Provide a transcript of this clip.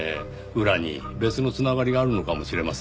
裏に別の繋がりがあるのかもしれません。